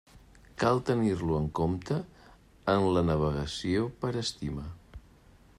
Cal tenir-lo en compte en la navegació per estima.